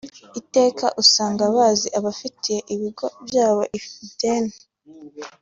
Iteka usanga bazi abafitiye ibigo byabo ideni